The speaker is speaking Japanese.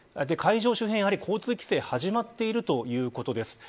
会場周辺、やはり交通規制が始まっているということです。